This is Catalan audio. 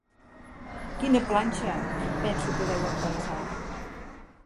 Quina planxa!, penso que deuen pensar.